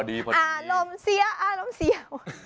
อารมณ์เสียอารมณ์เสียว